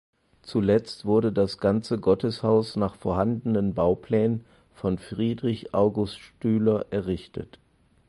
Zuletzt wurde das ganze Gotteshaus nach vorhandenen Bauplänen von Friedrich August Stüler errichtet.